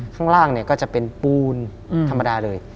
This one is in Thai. ข้างล่างจะเป็นปูนธรรมดาเลย